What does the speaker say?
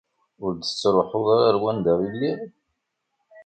Ur d-tettṛuḥuḍ ara ar wanda i lliɣ?